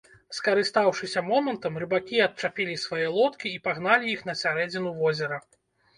Скарыстаўшыся момантам, рыбакі адчапілі свае лодкі і пагналі іх на сярэдзіну возера.